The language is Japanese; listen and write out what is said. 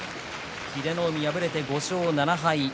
英乃海、敗れて５勝７敗。